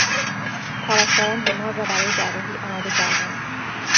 پرستاران بیمار را برای جراحی آماده کردند.